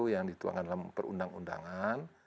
yang dituangkan dalam perundang undangan